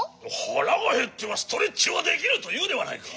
はらがへってはストレッチはできぬというではないか。